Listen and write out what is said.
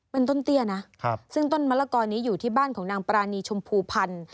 เป็นต้นเตี้ยนะซึ่งต้นมะละกอนี้อยู่ที่บ้านของนางปรานีชมพูพันธ์